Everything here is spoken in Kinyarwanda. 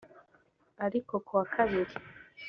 ariko ku wa Kabiri